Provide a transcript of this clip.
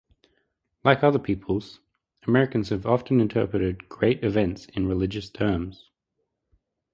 Like other peoples, Americans have often interpreted great events in religious terms.